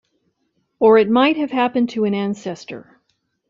Or it might have happened to an ancestor.